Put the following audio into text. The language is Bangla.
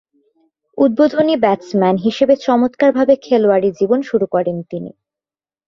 উদ্বোধনী ব্যাটসম্যান হিসেবে চমৎকারভাবে খেলোয়াড়ী জীবন শুরু করেন তিনি।